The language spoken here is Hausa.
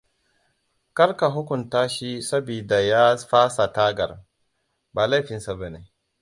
Kar ka hukunta shi sabida ya fasa tagar. Ba laifinsa bane.